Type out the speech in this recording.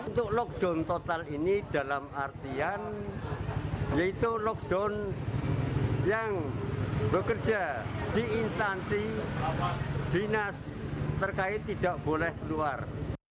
untuk lockdown total ini dalam artian yaitu lockdown yang bekerja di instansi dinas terkait tidak boleh keluar